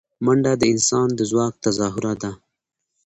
منډه د انسان د ځواک تظاهره ده